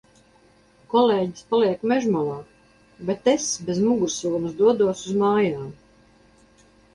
Kolēģis paliek mežmalā, bet es bez mugursomas dodos uz mājām.